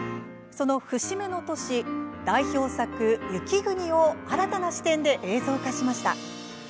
その節目の年、代表作「雪国」を新たな視点で映像化しました。